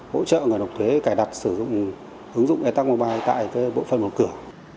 hỗ trợ người nộp thuế cài đặt sử dụng ứng dụng e tac mobile tại bộ phận một cửa